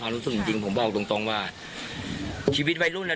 ความรู้สึกจริงผมบอกตรงว่าชีวิตวัยรุ่นแล้ว